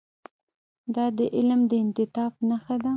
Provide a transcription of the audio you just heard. دا د علم د انعطاف نښه ده.